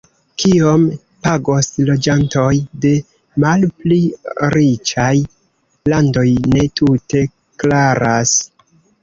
Kiom pagos loĝantoj de malpli riĉaj landoj ne tute klaras.